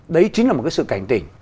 đấy chính là một cái sự cảnh tỉnh